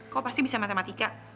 kok pasti bisa matematika